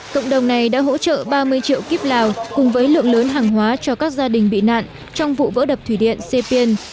cộng đồng này đã hỗ trợ ba mươi triệu kíp lào cùng với lượng lớn hàng hóa cho các gia đình bị nạn trong vụ vỡ đập thủy điện sepien